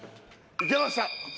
いけました。